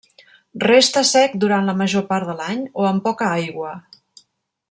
Resta sec durant la major part de l'any o amb poca aigua.